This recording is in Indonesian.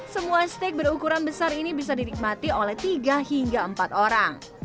semua steak berukuran besar ini bisa dinikmati oleh tiga hingga empat orang